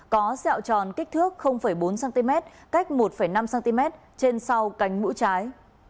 có dẹo tròn kích thước bốn cm cách một năm cm trên sau cánh mũ trái